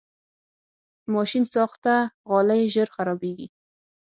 ماشینساخته غالۍ ژر خرابېږي.